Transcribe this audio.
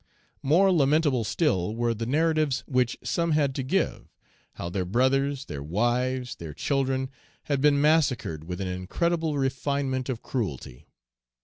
More lamentable still were the narratives which some had to give, how their brothers, their wives, their children, had been massacred with an incredible refinement of cruelty.